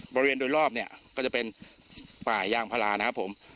บริเวณโดยรอบเนี่ยก็จะเป็นป่ายางพลานะครับผม